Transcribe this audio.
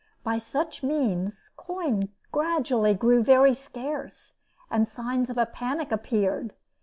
By such means coin gradually grew very scarce, and signs of a panic appeared.